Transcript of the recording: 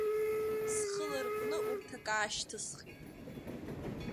Схы ларҟәны урҭ акы аашьҭысхит.